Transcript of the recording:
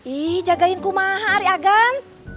ih jagain ku mahar agan